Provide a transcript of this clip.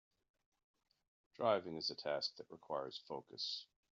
Driving is a task that requires focus.